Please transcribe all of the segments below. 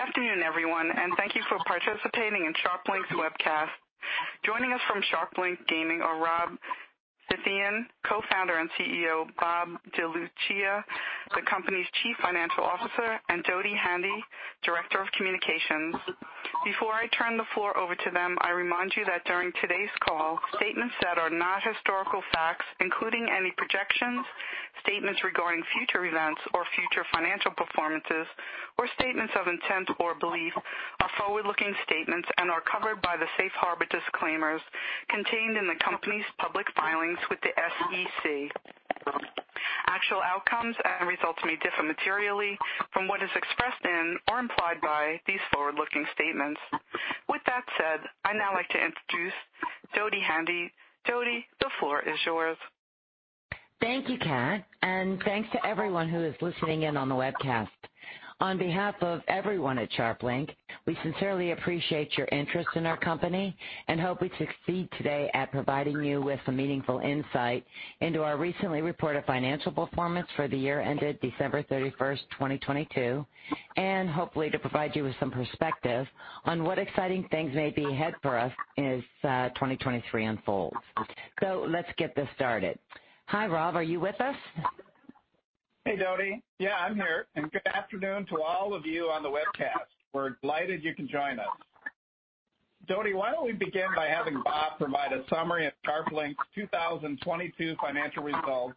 Good afternoon, everyone. Thank you for participating in SharpLink's webcast. Joining us from SharpLink Gaming are Rob Phythian, Co-Founder and CEO, Bob DeLucia, the company's Chief Financial Officer, and Dodi Handy, Director of Communications. Before I turn the floor over to them, I remind you that during today's call, statements that are not historical facts, including any projections, statements regarding future events or future financial performances, or statements of intent or belief are forward-looking statements and are covered by the safe harbor disclaimers contained in the company's public filings with the SEC. Actual outcomes and results may differ materially from what is expressed in or implied by these forward-looking statements. With that said, I'd now like to introduce Dodi Handy. Dodi, the floor is yours. Thank you, Kat, and thanks to everyone who is listening in on the webcast. On behalf of everyone at SharpLink, we sincerely appreciate your interest in our company and hope we succeed today at providing you with a meaningful insight into our recently reported financial performance for the year ended December 31st, 2022, and hopefully to provide you with some perspective on what exciting things may be ahead for us as 2023 unfolds. Let's get this started. Hi, Rob. Are you with us? Hey, Dodi. Yeah, I'm here. Good afternoon to all of you on the webcast. We're delighted you can join us. Dodi, why don't we begin by having Bob provide a summary of SharpLink's 2022 financial results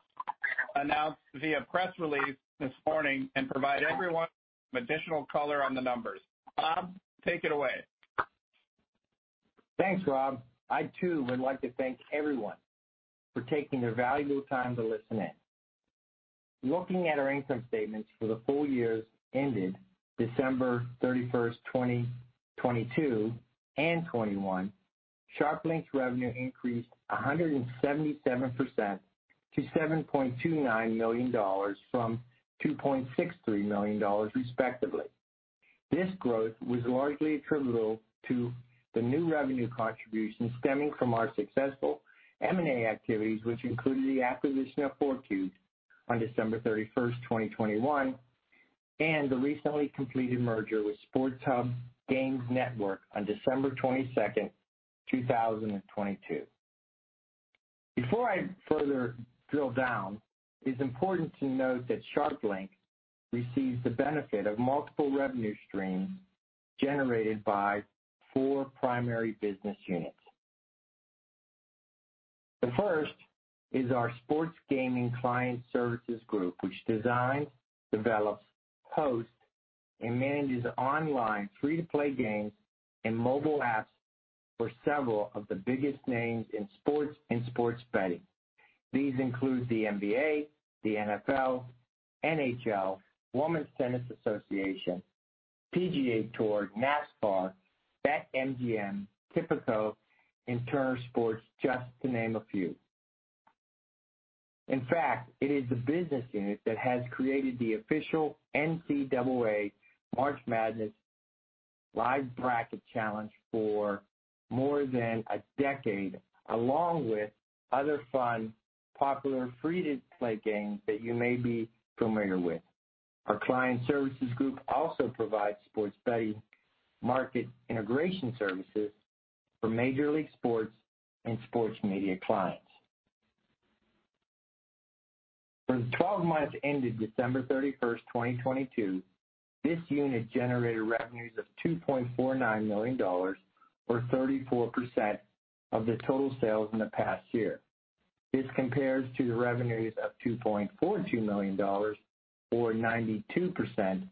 announced via press release this morning and provide everyone some additional color on the numbers. Bob, take it away. Thanks, Rob. I too would like to thank everyone for taking the valuable time to listen in. Looking at our income statements for the full years ended December 31st, 2022 and 2021, SharpLink's revenue increased 177% to $7.29 million from $2.63 million, respectively. This growth was largely attributable to the new revenue contribution stemming from our successful M&A activities, which included the acquisition of FourCubed on December 31st, 2021, and the recently completed merger with SportsHub Games Network on December 22nd, 2022. Before I further drill down, it's important to note that SharpLink receives the benefit of multiple revenue streams generated by four primary business units. The first is our sports gaming client services group, which designs, develops, hosts, and manages online free-to-play games and mobile apps for several of the biggest names in sports and sports betting. These include the NBA, the NFL, NHL, Women's Tennis Association, PGA TOUR, NASCAR, BetMGM, Tipico, and Turner Sports, just to name a few. In fact, it is the business unit that has created the official NCAA March Madness Live Bracket Challenge for more than a decade, along with other fun, popular free-to-play games that you may be familiar with. Our client services group also provides sports betting market integration services for major league sports and sports media clients. For the 12 months ended December 31st, 2022, this unit generated revenues of $2.49 million, or 34% of the total sales in the past year. This compares to the revenues of $2.42 million or 92%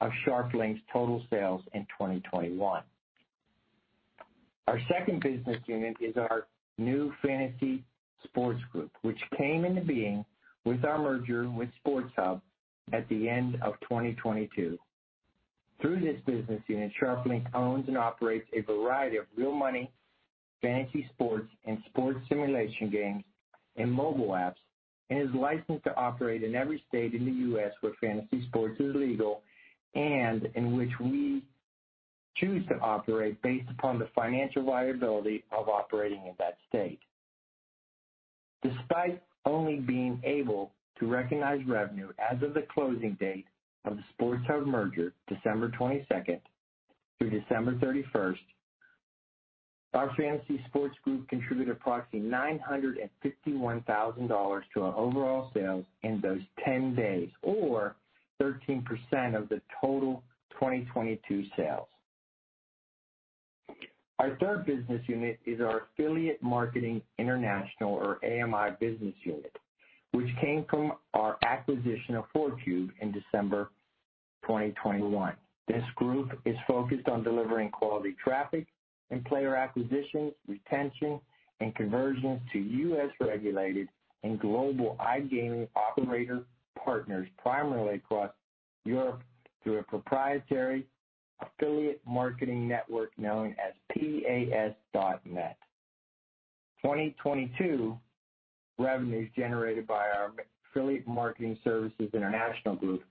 of SharpLink's total sales in 2021. Our second business unit is our new fantasy sports group, which came into being with our merger with SportsHub at the end of 2022. Through this business unit, SharpLink owns and operates a variety of real money, fantasy sports, and sports simulation games and mobile apps, and is licensed to operate in every state in the US where fantasy sports is legal and in which we choose to operate based upon the financial viability of operating in that state. Despite only being able to recognize revenue as of the closing date of the SportsHub merger, December 22nd through December 31st, our fantasy sports group contributed approximately $951,000 to our overall sales in those 10 days, or 13% of the total 2022 sales. Our third business unit is our Affiliate Marketing International or AMI business unit, which came from our acquisition of FourCubed in December 2021. This group is focused on delivering quality traffic and player acquisition, retention, and conversion to US-regulated and global iGaming operator partners primarily across Europe through a proprietary affiliate marketing network known as PAS.net. 2022 revenues generated by our Affiliate Marketing Services International group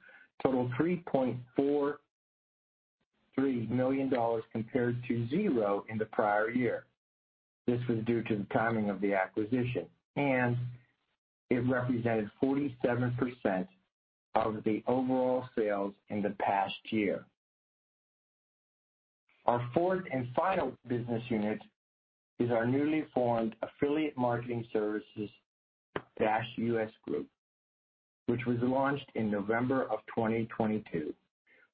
totaled $3.43 million compared to zero in the prior year. This was due to the timing of the acquisition. It represented 47% of the overall sales in the past year. Our fourth and final business unit is our newly formed Affiliate Marketing Services-US Group, which was launched in November of 2022.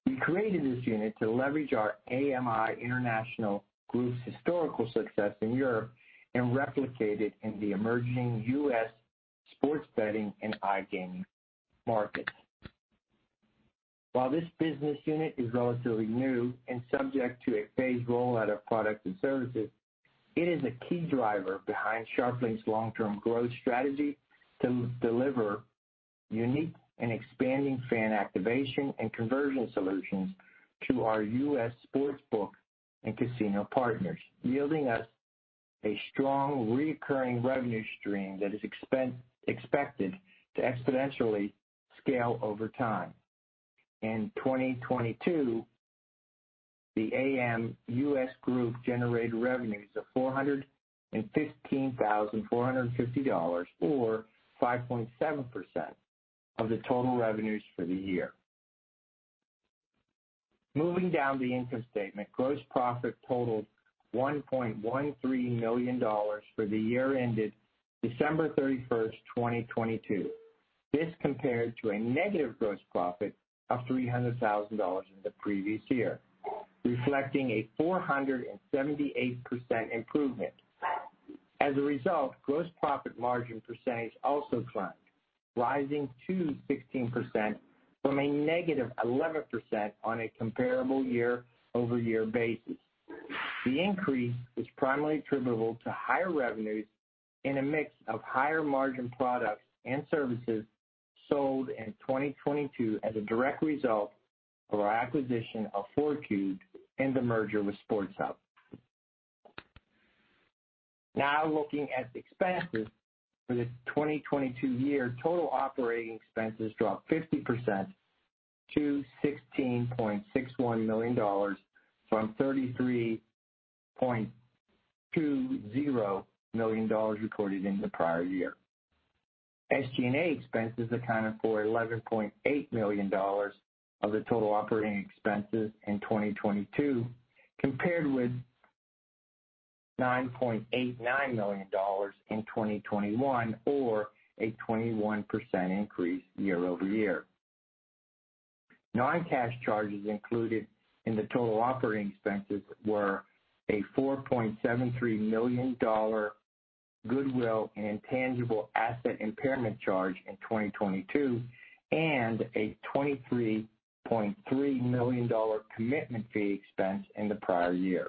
We created this unit to leverage our AMI International Group's historical success in Europe and replicate it in the emerging US sports betting and iGaming markets. While this business unit is relatively new and subject to a phased roll out of products and services, it is a key driver behind SharpLink's long-term growth strategy to deliver unique and expanding fan activation and conversion solutions to our US sports book and casino partners, yielding us a strong recurring revenue stream that is expected to exponentially scale over time. In 2022, the AMS US Group generated revenues of $415,450, or 5.7% of the total revenues for the year. Moving down the income statement, gross profit totaled $1.13 million for the year ended December 31st, 2022. This compared to a negative gross profit of $300,000 in the previous year, reflecting a 478% improvement. As a result, gross profit margin percentage also climbed, rising to 16% from a negative 11% on a comparable year-over-year basis. The increase was primarily attributable to higher revenues and a mix of higher-margin products and services sold in 2022 as a direct result of our acquisition of FourCubed and the merger with SportsHub. Now looking at expenses for the 2022 year. Total operating expenses dropped 50% to $16.61 million from $33.20 million recorded in the prior year. SG&A expenses accounted for $11.8 million of the total operating expenses in 2022, compared with $9.89 million in 2021, or a 21% increase year-over-year. Non-cash charges included in the total operating expenses were a $4.73 million goodwill and intangible asset impairment charge in 2022, and a $23.3 million commitment fee expense in the prior year.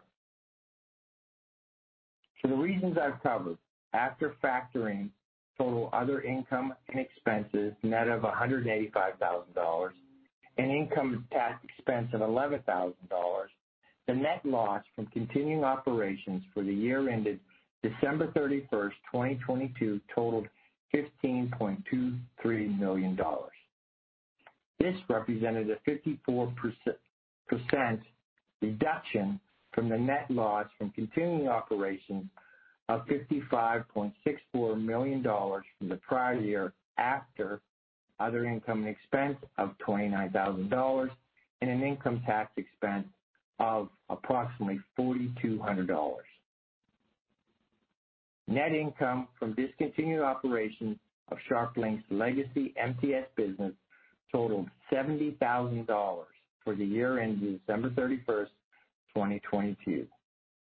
For the reasons I've covered, after factoring total other income and expenses, net of $185,000 and income tax expense of $11,000, the net loss from continuing operations for the year ended December 31st, 2022 totaled $15.23 million. This represented a 54% reduction from the net loss from continuing operations of $55.64 million from the prior year, after other income and expense of $29,000 and an income tax expense of approximately $4,200. Net income from discontinued operations of SharpLink's legacy MTS business totaled $70,000 for the year ending December 31, 2022,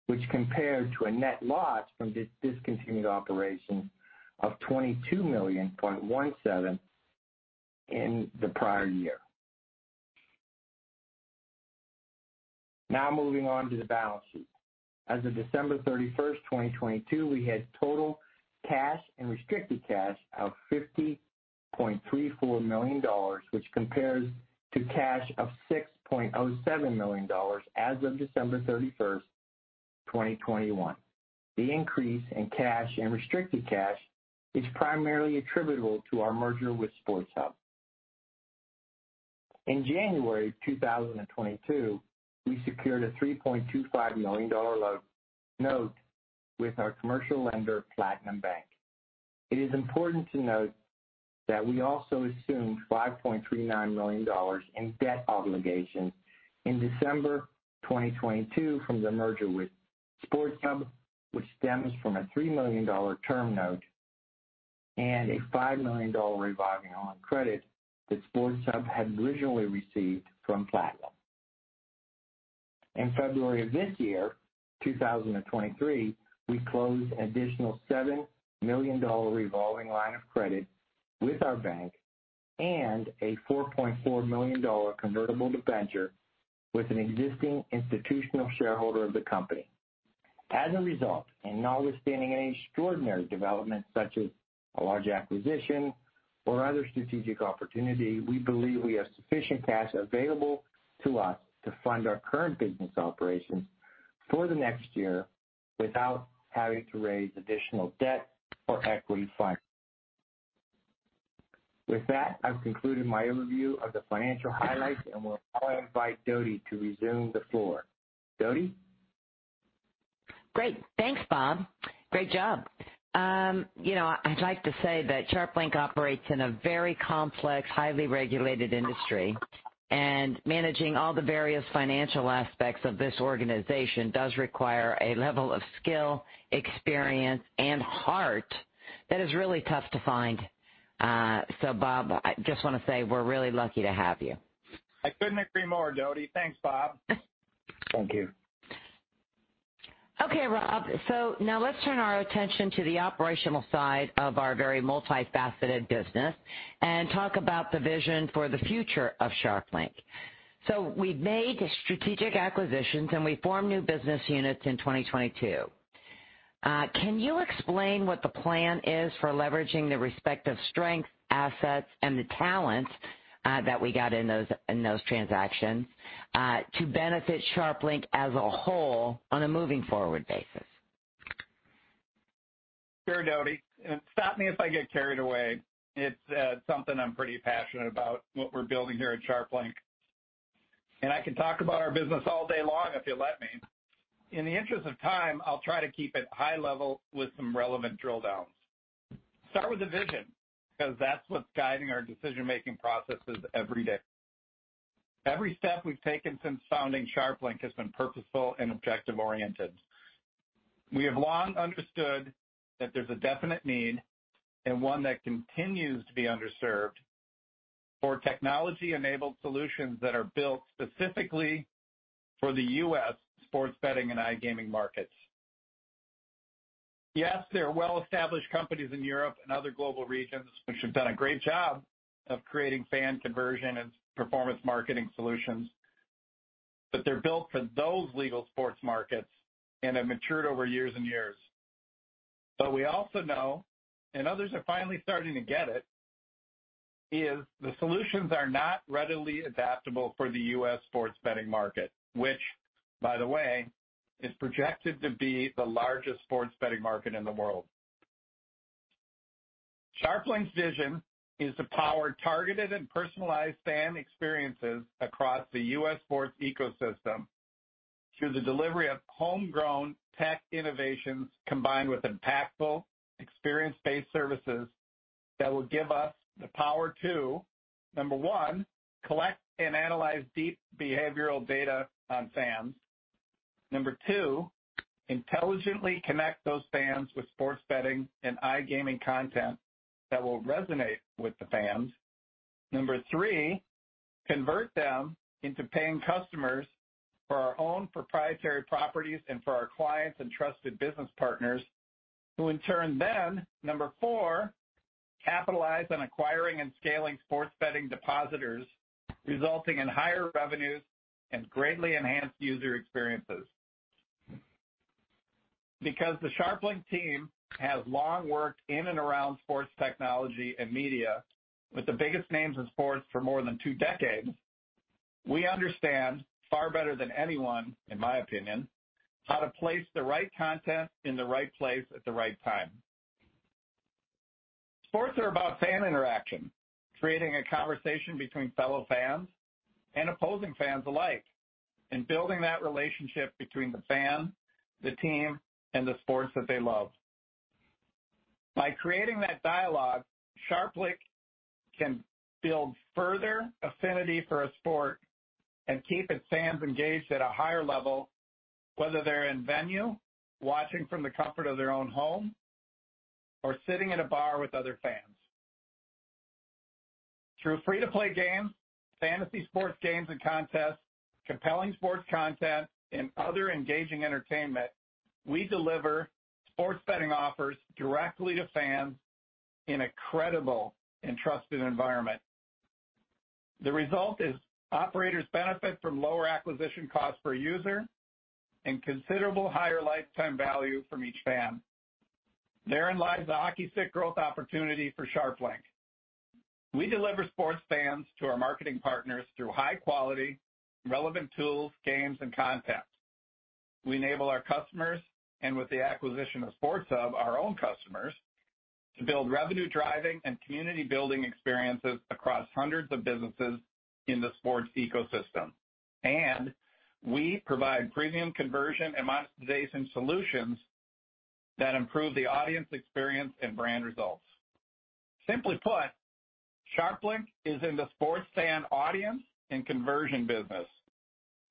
which compared to a net loss from discontinued operations of $22.17 million in the prior year. Moving on to the balance sheet. As of December 31, 2022, we had total cash and restricted cash of $50.34 million, which compares to cash of $6.07 million as of December 31, 2021. The increase in cash and restricted cash is primarily attributable to our merger with SportsHub. In January 2022, we secured a $3.25 million note with our commercial lender, Platinum Bank. It is important to note that we also assumed $5.39 million in debt obligations in December 2022 from the merger with SportsHub, which stems from a $3 million term note and a $5 million revolving line of credit that SportsHub had originally received from Platinum. In February of this year, 2023, we closed an additional $7 million revolving line of credit with our bank and a $4.4 million convertible debenture with an existing institutional shareholder of the company. As a result, and notwithstanding any extraordinary development such as a large acquisition or other strategic opportunity, we believe we have sufficient cash available to us to fund our current business operations for the next year without having to raise additional debt or equity funding. With that, I've concluded my overview of the financial highlights and will now invite Dodi to resume the floor. Dodi? Great. Thanks, Bob. Great job. you know, I'd like to say that SharpLink operates in a very complex, highly regulated industry. Managing all the various financial aspects of this organization does require a level of skill, experience, and heart that is really tough to find. Bob, I just want to say we're really lucky to have you. I couldn't agree more, Dodi. Thanks, Bob. Thank you. Okay, Rob. Now let's turn our attention to the operational side of our very multifaceted business and talk about the vision for the future of SharpLink. We've made strategic acquisitions, and we formed new business units in 2022. Can you explain what the plan is for leveraging the respective strengths, assets, and the talents that we got in those transactions to benefit SharpLink as a whole on a moving forward basis? Sure, Dodi. Stop me if I get carried away. It's something I'm pretty passionate about, what we're building here at SharpLink, and I can talk about our business all day long if you let me. In the interest of time, I'll try to keep it high level with some relevant drill downs. Start with the vision, because that's what's guiding our decision-making processes every day. Every step we've taken since founding SharpLink has been purposeful and objective-oriented. We have long understood that there's a definite need, and one that continues to be underserved, for technology-enabled solutions that are built specifically for the US sports betting and iGaming markets. Yes, there are well-established companies in Europe and other global regions which have done a great job of creating fan conversion and performance marketing solutions. They're built for those legal sports markets and have matured over years and years. We also know, and others are finally starting to get it, is the solutions are not readily adaptable for the US sports betting market, which, by the way, is projected to be the largest sports betting market in the world. SharpLink's vision is to power targeted and personalized fan experiences across the US sports ecosystem through the delivery of homegrown tech innovations, combined with impactful experience-based services that will give us the power to, number one, collect and analyze deep behavioral data on fans. Number two, intelligently connect those fans with sports betting and iGaming content that will resonate with the fans. Number three, convert them into paying customers for our own proprietary properties and for our clients and trusted business partners, who in turn then, number four, capitalize on acquiring and scaling sports betting depositors, resulting in higher revenues and greatly enhanced user experiences. Because the SharpLink team has long worked in and around sports technology and media with the biggest names in sports for more than two decades, we understand far better than anyone, in my opinion, how to place the right content in the right place at the right time. Sports are about fan interaction, creating a conversation between fellow fans and opposing fans alike, and building that relationship between the fan, the team, and the sports that they love. By creating that dialogue, SharpLink can build further affinity for a sport and keep its fans engaged at a higher level, whether they're in venue, watching from the comfort of their own home, or sitting in a bar with other fans. Through free-to-play games, fantasy sports games and contests, compelling sports content and other engaging entertainment, we deliver sports betting offers directly to fans in a credible and trusted environment. The result is operators benefit from lower acquisition costs per user and considerable higher lifetime value from each fan. Therein lies the hockey stick growth opportunity for SharpLink. We deliver sports fans to our marketing partners through high quality, relevant tools, games and content. We enable our customers, and with the acquisition of SportsHub, our own customers, to build revenue-driving and community-building experiences across hundreds of businesses in the sports ecosystem. We provide premium conversion and monetization solutions that improve the audience experience and brand results. Simply put, SharpLink is in the sports fan audience and conversion business.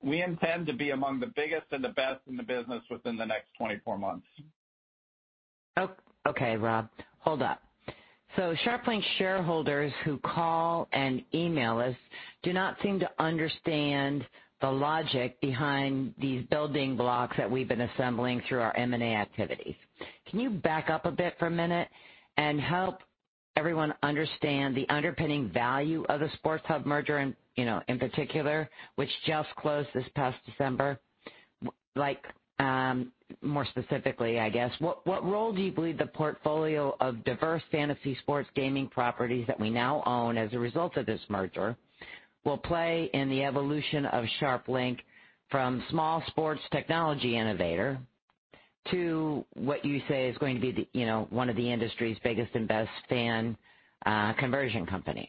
We intend to be among the biggest and the best in the business within the next 24 months. Okay, Rob, hold up. SharpLink shareholders who call and email us do not seem to understand the logic behind these building blocks that we've been assembling through our M&A activities. Can you back up a bit for a minute and help everyone understand the underpinning value of the SportsHub merger in, you know, in particular, which just closed this past December? More specifically, I guess, what role do you believe the portfolio of diverse fantasy sports gaming properties that we now own as a result of this merger will play in the evolution of SharpLink from small sports technology innovator to what you say is going to be the, you know, one of the industry's biggest and best fan conversion companies?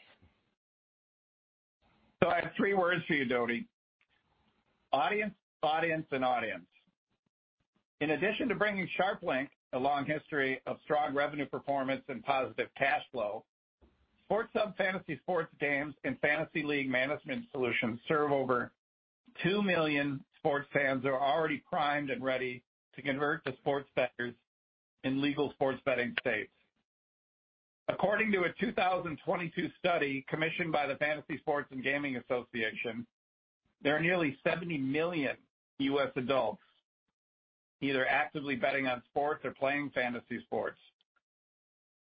I have three words for you, Dodi, audience, and audience. In addition to bringing SharpLink a long history of strong revenue performance and positive cash flow, SportsHub fantasy sports games and fantasy league management solutions serve over 2 million sports fans who are already primed and ready to convert to sports bettors in legal sports betting states. According to a 2022 study commissioned by the Fantasy Sports & Gaming Association, there are nearly 70 million US adults either actively betting on sports or playing fantasy sports.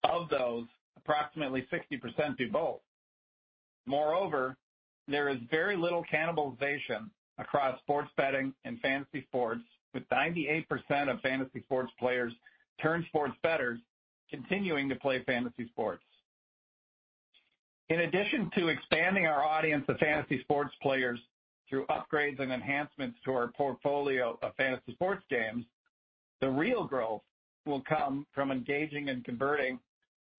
Of those, approximately 60% do both. Moreover, there is very little cannibalization across sports betting and fantasy sports, with 98% of fantasy sports players turned sports bettors continuing to play fantasy sports. In addition to expanding our audience of fantasy sports players through upgrades and enhancements to our portfolio of fantasy sports games, the real growth will come from engaging and converting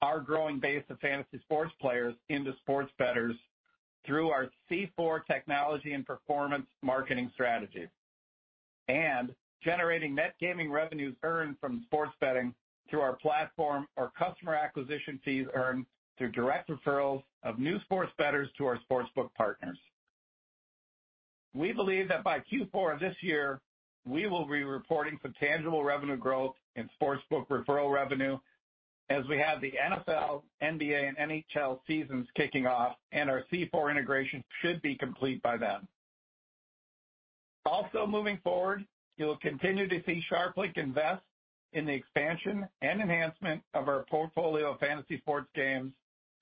our growing base of fantasy sports players into sports bettors through our C4 technology and performance marketing strategy, and generating net gaming revenues earned from sports betting through our platform or customer acquisition fees earned through direct referrals of new sports bettors to our sportsbook partners. We believe that by Q4 of this year, we will be reporting some tangible revenue growth in sportsbook referral revenue as we have the NFL, NBA, and NHL seasons kicking off, and our C4 integration should be complete by then. Moving forward, you'll continue to see SharpLink invest in the expansion and enhancement of our portfolio of fantasy sports games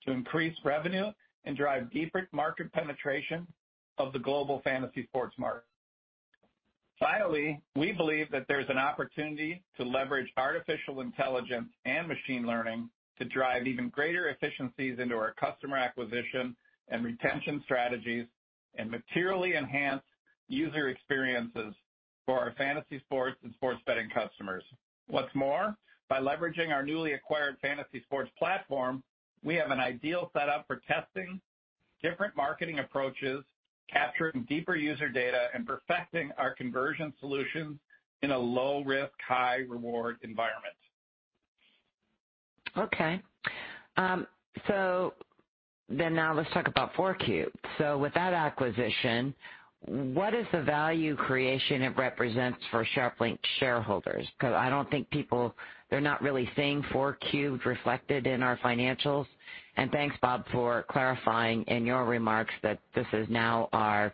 to increase revenue and drive deeper market penetration of the global fantasy sports market. We believe that there's an opportunity to leverage artificial intelligence and machine learning to drive even greater efficiencies into our customer acquisition and retention strategies, and materially enhance user experiences for our fantasy sports and sports betting customers. By leveraging our newly acquired fantasy sports platform, we have an ideal setup for testing different marketing approaches, capturing deeper user data, and perfecting our conversion solutions in a low risk, high reward environment. Now let's talk about FourCubed. With that acquisition, what is the value creation it represents for SharpLink shareholders? Because I don't think they're not really seeing FourCubed reflected in our financials. Thanks, Bob, for clarifying in your remarks that this is now our,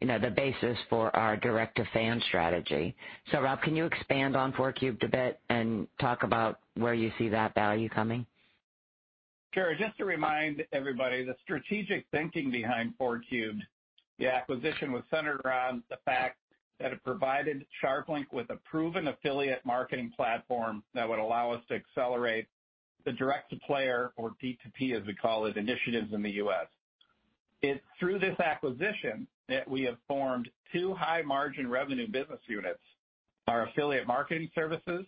you know, the basis for our direct to fan strategy. Rob, can you expand on FourCubed a bit and talk about where you see that value coming? Sure. Just to remind everybody, the strategic thinking behind FourCubed, the acquisition was centered around the fact that it provided SharpLink with a proven affiliate marketing platform that would allow us to accelerate the direct to player, or DTP, as we call it, initiatives in the US. It's through this acquisition that we have formed two high-margin revenue business units, our affiliate marketing services,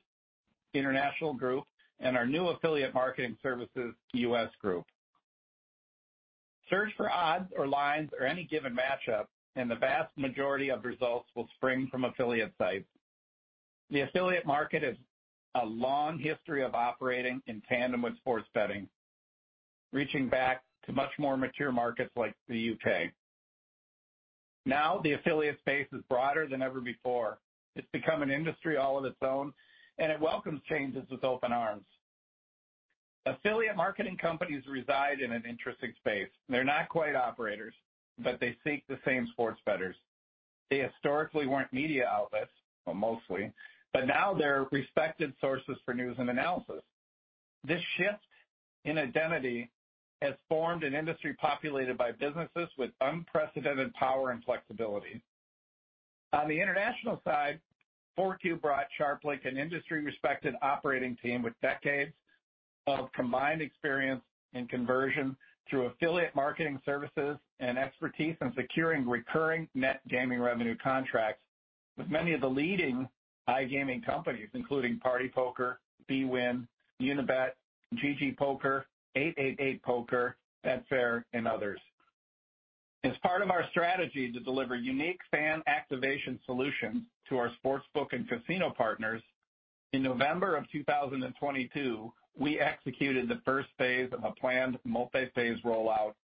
international group, and our new Affiliate Marketing Services US group. Search for odds or lines or any given matchup. The vast majority of results will spring from affiliate sites. The affiliate market has a long history of operating in tandem with sports betting, reaching back to much more mature markets like the UK. Now, the affiliate space is broader than ever before. It's become an industry all of its own, and it welcomes changes with open arms. Affiliate marketing companies reside in an interesting space. They're not quite operators, but they seek the same sports bettors. They historically weren't media outlets, well, mostly, but now they're respected sources for news and analysis. This shift in identity has formed an industry populated by businesses with unprecedented power and flexibility. On the international side, FourCubed brought SharpLink an industry-respected operating team with decades of combined experience in conversion through affiliate marketing services and expertise in securing recurring net gaming revenue contracts with many of the leading iGaming companies, including PartyPoker, bwin, Unibet, GGPoker, 888poker, Betfair, and others. As part of our strategy to deliver unique fan activation solutions to our sportsbook and casino partners, in November of 2022, we executed the first phase of a planned multi-phase rollout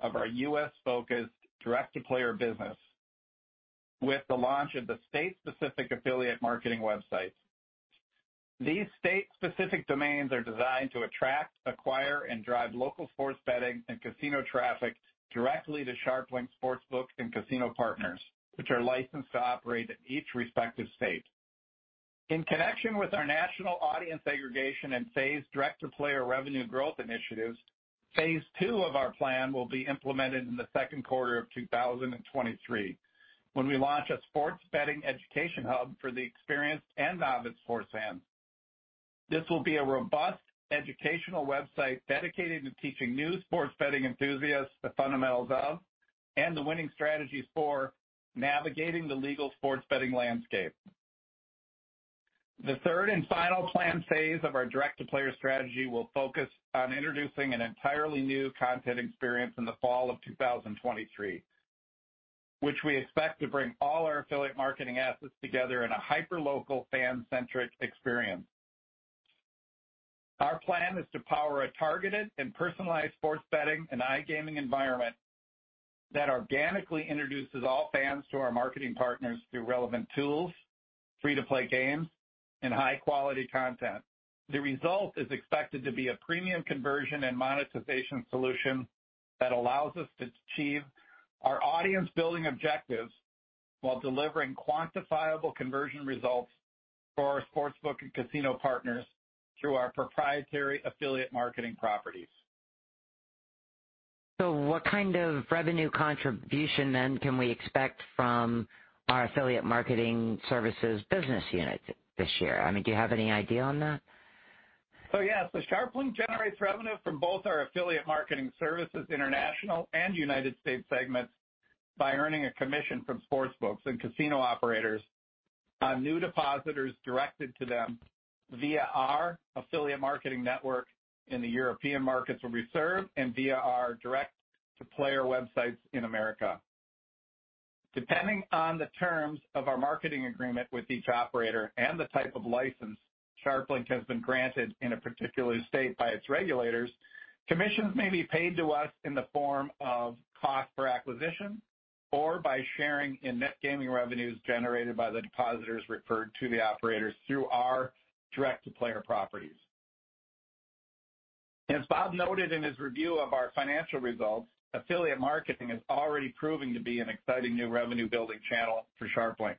of our US-focused direct-to-player business with the launch of the state-specific affiliate marketing websites. These state-specific domains are designed to attract, acquire, and drive local sports betting and casino traffic directly to SharpLink sportsbooks and casino partners, which are licensed to operate in each respective state. In connection with our national audience aggregation and phased direct-to-player revenue growth initiatives, phase two of our plan will be implemented in the Q2 of 2023 when we launch a sports betting education hub for the experienced and novice sports fans. This will be a robust educational website dedicated to teaching new sports betting enthusiasts the fundamentals of, and the winning strategies for navigating the legal sports betting landscape. The third and final plan phase of our direct-to-player strategy will focus on introducing an entirely new content experience in the fall of 2023, which we expect to bring all our affiliate marketing assets together in a hyperlocal fan-centric experience. Our plan is to power a targeted and personalized sports betting and iGaming environment that organically introduces all fans to our marketing partners through relevant tools, free-to-play games, and high quality content. The result is expected to be a premium conversion and monetization solution that allows us to achieve our audience building objectives while delivering quantifiable conversion results for our sportsbook and casino partners through our proprietary affiliate marketing properties. What kind of revenue contribution then can we expect from our Affiliate Marketing Services business unit this year? I mean, do you have any idea on that? Yeah. SharpLink generates revenue from both our affiliate marketing services international and United States segments by earning a commission from sports books and casino operators on new depositors directed to them via our affiliate marketing network in the European markets where we serve and via our direct-to-player websites in America. Depending on the terms of our marketing agreement with each operator and the type of license SharpLink has been granted in a particular state by its regulators, commissions may be paid to us in the form of cost for acquisition or by sharing in net gaming revenues generated by the depositors referred to the operators through our direct-to-player properties. As Bob noted in his review of our financial results, affiliate marketing is already proving to be an exciting new revenue building channel for SharpLink.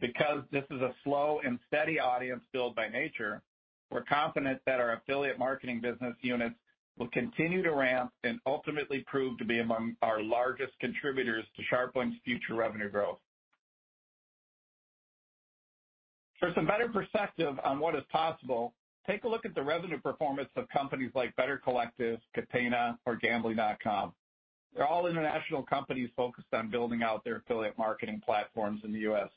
This is a slow and steady audience build by nature, we're confident that our affiliate marketing business units will continue to ramp and ultimately prove to be among our largest contributors to SharpLink's future revenue growth. For some better perspective on what is possible, take a look at the revenue performance of companies like Better Collective, Catena Media or Gambling.com. They're all international companies focused on building out their affiliate marketing platforms in the US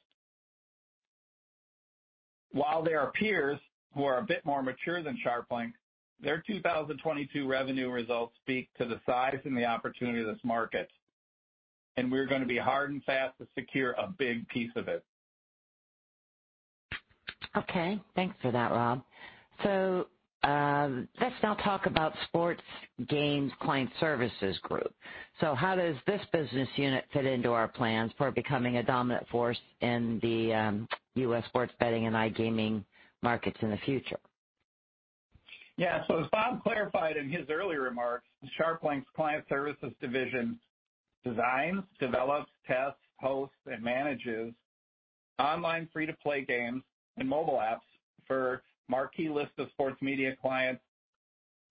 While there are peers who are a bit more mature than SharpLink, their 2022 revenue results speak to the size and the opportunity of this market, we're going to be hard and fast to secure a big piece of it. Okay, thanks for that, Rob. Let's now talk about sports games client services group. How does this business unit fit into our plans for becoming a dominant force in the US sports betting and iGaming markets in the future? So as Bob clarified in his earlier remarks, SharpLink's client services division designs, develops, tests, hosts, and manages online free-to-play games and mobile apps for marquee list of sports media clients,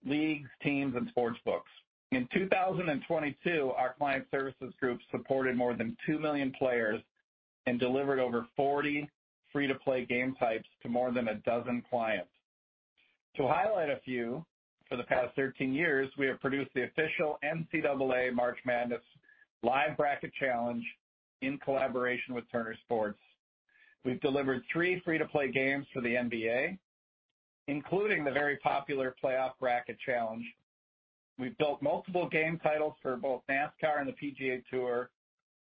leagues, teams, and sports books. In 2022, our client services group supported more than 2 million players and delivered over 40 free-to-play game types to more than 12 clients. To highlight a few, for the past 13 years, we have produced the official NCAA March Madness Live Bracket Challenge in collaboration with Turner Sports. We've delivered three free-to-play games for the NBA, including the very popular Playoff Bracket Challenge. We've built multiple game titles for both NASCAR and the PGA TOUR,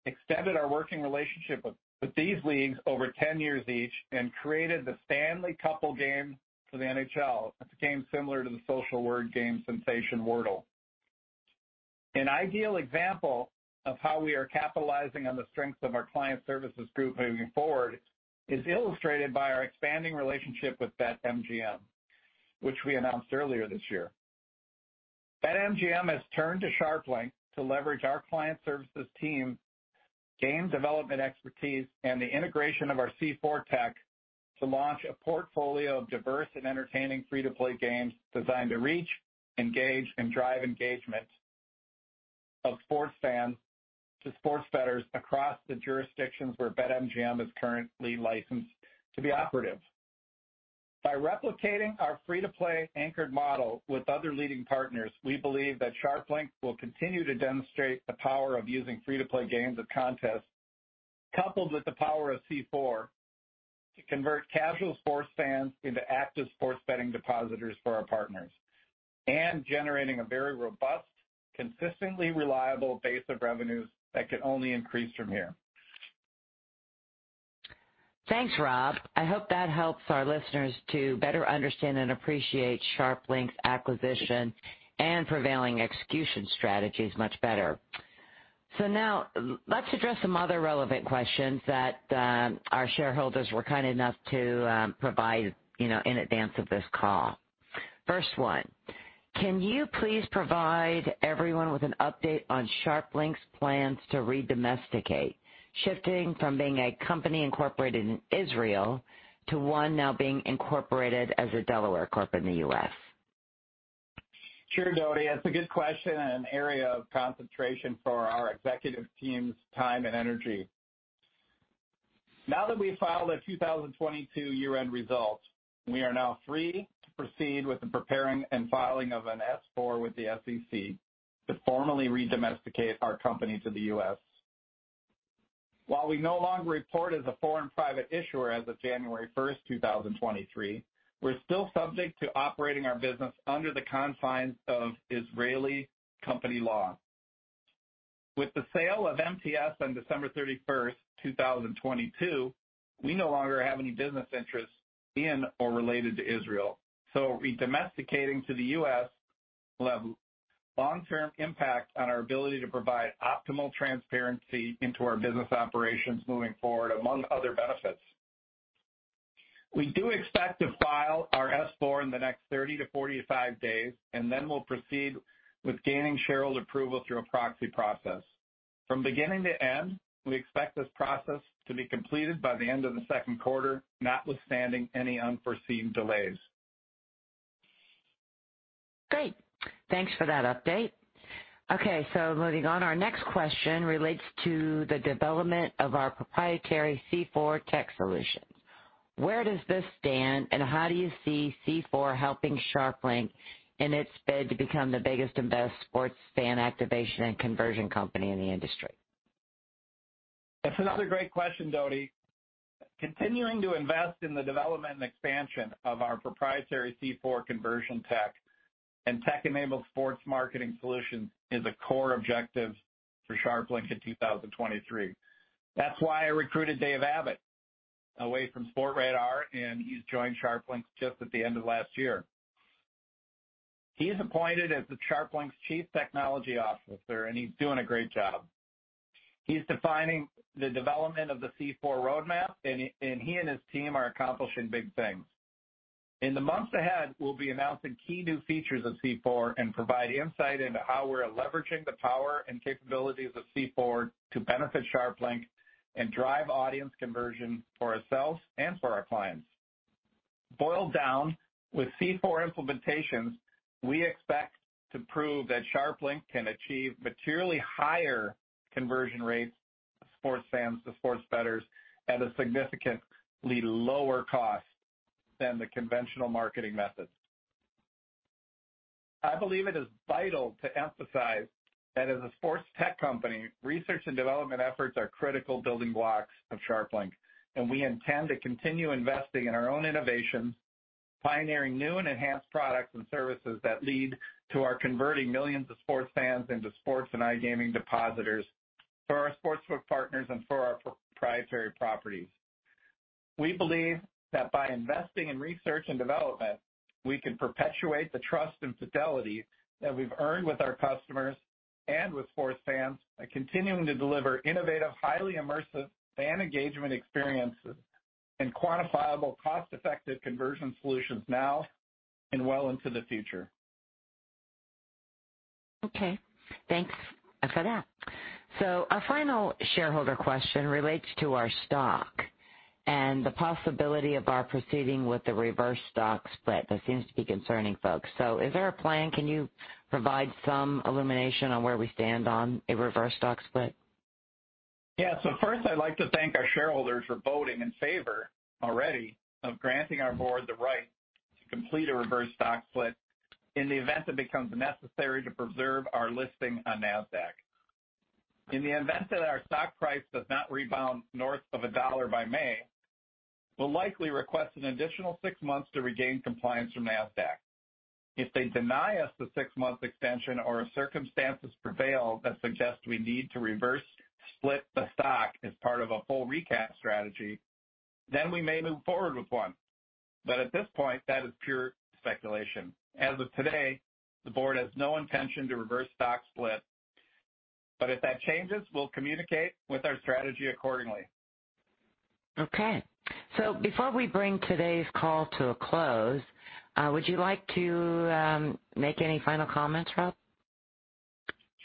extended our working relationship with these leagues over 10 years each and created the Stanley Cupple Game for the NHL. It became similar to the social word game sensation Wordle. An ideal example of how we are capitalizing on the strengths of our client services group moving forward is illustrated by our expanding relationship with BetMGM, which we announced earlier this year. BetMGM has turned to SharpLink to leverage our client services team, game development expertise, and the integration of our C4 tech to launch a portfolio of diverse and entertaining free-to-play games designed to reach, engage, and drive engagement of sports fans to sports betters across the jurisdictions where BetMGM is currently licensed to be operative. By replicating our free-to-play anchored model with other leading partners, we believe that SharpLink will continue to demonstrate the power of using free-to-play games of contests coupled with the power of C4 to convert casual sports fans into active sports betting depositors for our partners, and generating a very robust, consistently reliable base of revenues that can only increase from here. Thanks, Rob. I hope that helps our listeners to better understand and appreciate SharpLink's acquisition and prevailing execution strategies much better. Now let's address some other relevant questions that our shareholders were kind enough to provide, you know, in advance of this call. First one, Can you please provide everyone with an update on SharpLink's plans to re-domesticate, shifting from being a company incorporated in Israel to one now being incorporated as a Delaware Corp in the US? Sure, Dodi. That's a good question and an area of concentration for our executive team's time and energy. Now that we've filed our 2022 year-end results, we are now free to proceed with the preparing and filing of an S-4 with the SEC to formally re-domesticate our company to the US. While we no longer report as a foreign private issuer as of January first, 2023, we're still subject to operating our business under the confines of Israeli company law. With the sale of MTS on December 31st, 2022, we no longer have any business interests in or related to Israel. Re-domesticating to the US will have long-term impact on our ability to provide optimal transparency into our business operations moving forward, among other benefits. We do expect to file our S-4 in the next 30-45 days. We'll proceed with gaining shareholder approval through a proxy process. From beginning to end, we expect this process to be completed by the end of the Q2, notwithstanding any unforeseen delays. Great. Thanks for that update. Moving on. Our next question relates to the development of our proprietary C4 tech solutions. Where does this stand, and how do you see C4 helping SharpLink in its bid to become the biggest and best sports fan activation and conversion company in the industry? That's another great question, Dodi. Continuing to invest in the development and expansion of our proprietary C4 conversion tech and tech-enabled sports marketing solutions is a core objective for SharpLink in 2023. That's why I recruited Dave Abbott away from Sportradar, and he's joined SharpLink just at the end of last year. He's appointed as SharpLink's Chief Technology Officer, and he's doing a great job. He's defining the development of the C4 roadmap and he and his team are accomplishing big things. In the months ahead, we'll be announcing key new features of C4 and provide insight into how we're leveraging the power and capabilities of C4 to benefit SharpLink and drive audience conversion for ourselves and for our clients. Boiled down, with C4 implementations, we expect to prove that SharpLink can achieve materially higher conversion rates of sports fans to sports bettors at a significantly lower cost than the conventional marketing methods. I believe it is vital to emphasize that as a sports tech company, research and development efforts are critical building blocks of SharpLink, and we intend to continue investing in our own innovations, pioneering new and enhanced products and services that lead to our converting millions of sports fans into sports and iGaming depositors for our sportsbook partners and for our proprietary properties. We believe that by investing in research and development, we can perpetuate the trust and fidelity that we've earned with our customers and with sports fans by continuing to deliver innovative, highly immersive fan engagement experiences and quantifiable, cost-effective conversion solutions now and well into the future. Okay. Thanks for that. Our final shareholder question relates to our stock and the possibility of our proceeding with the reverse stock split. That seems to be concerning, folks. Is there a plan? Can you provide some illumination on where we stand on a reverse stock split? Yeah. First, I'd like to thank our shareholders for voting in favor already of granting our board the right to complete a reverse stock split in the event it becomes necessary to preserve our listing on Nasdaq. In the event that our stock price does not rebound north of $1 by May, we'll likely request an additional six months to regain compliance from Nasdaq. If they deny us the six-month extension or circumstances prevail that suggest we need to reverse split the stock as part of a full recap strategy, then we may move forward with one. At this point, that is pure speculation. As of today, the board has no intention to reverse stock split. If that changes, we'll communicate with our strategy accordingly. Okay. Before we bring today's call to a close, would you like to make any final comments, Rob?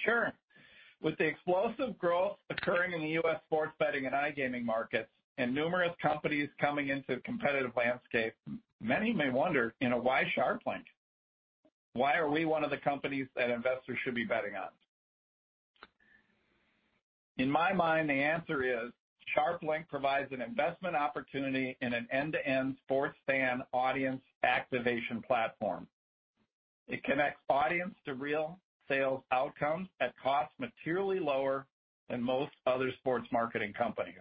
Sure. With the explosive growth occurring in the US sports betting and iGaming markets and numerous companies coming into the competitive landscape, many may wonder, you know, "Why SharpLink? Why are we one of the companies that investors should be betting on?" In my mind, the answer is SharpLink provides an investment opportunity in an end-to-end sports fan audience activation platform. It connects audience to real sales outcomes at costs materially lower than most other sports marketing companies.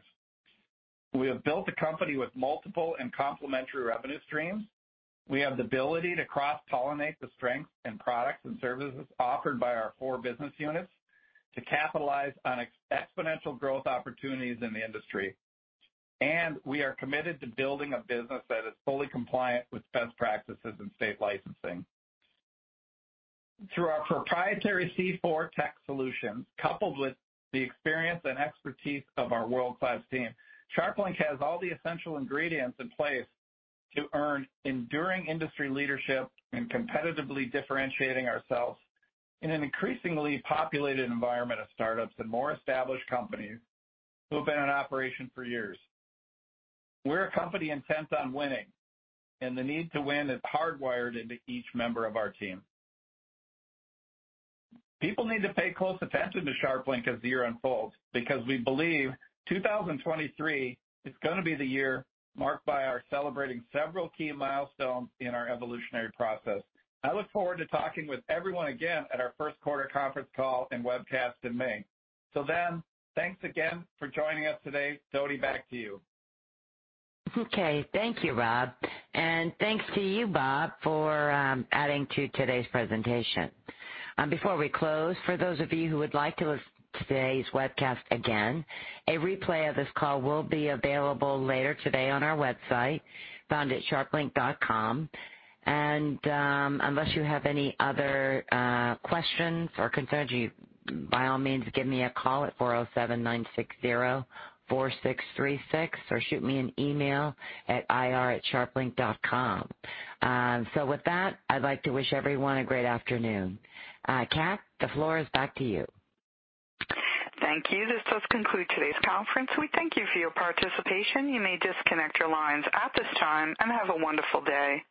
We have built a company with multiple and complementary revenue streams. We have the ability to cross-pollinate the strengths and products and services offered by our four business units to capitalize on exponential growth opportunities in the industry. We are committed to building a business that is fully compliant with best practices and state licensing. Through our proprietary C4 tech solutions, coupled with the experience and expertise of our world-class team, SharpLink has all the essential ingredients in place to earn enduring industry leadership and competitively differentiating ourselves in an increasingly populated environment of startups and more established companies who have been in operation for years. We're a company intent on winning, the need to win is hardwired into each member of our team. People need to pay close attention to SharpLink as the year unfolds, we believe 2023 is going to be the year marked by our celebrating several key milestones in our evolutionary process. I look forward to talking with everyone again at our first quarter conference call and webcast in May. Till then, thanks again for joining us today. Dodi, back to you. Okay. Thank you, Rob. Thanks to you, Bob, for adding to today's presentation. Before we close, for those of you who would like to listen to today's webcast again, a replay of this call will be available later today on our website found at sharplink.com. Unless you have any other questions or concerns, you by all means, give me a call at 407-960-4636 or shoot me an email at ir@sharplink.com. With that, I'd like to wish everyone a great afternoon. Kat, the floor is back to you. Thank you. This does conclude today's conference. We thank you for your participation. You may disconnect your lines at this time and have a wonderful day.